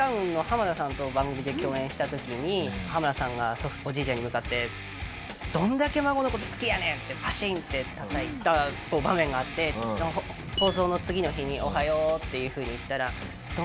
祖父が浜田さんがおじいちゃんに向かって「どんだけ孫の事好きやねん！」ってパシンってたたいた場面があって放送の次の日におはようっていうふうに言ったら。